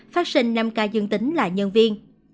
phát sinh năm ca dân tính là nhân viên